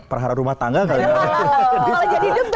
perhara rumah tangga kali ya